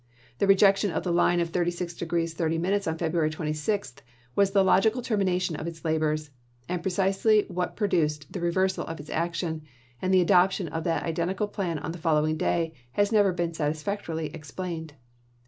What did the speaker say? The rejection of the line of i86i. 36° 30' on February 26 was the logical termina tion of its labors ; and precisely what produced the reversal of its action, and the adoption of that identical plan on the following day, has never been satisfactorily explained.